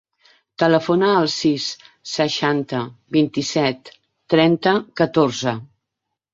Telefona al sis, seixanta, vint-i-set, trenta, catorze.